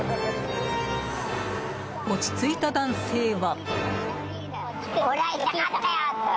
落ち着いた男性は。